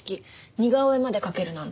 似顔絵まで描けるなんて。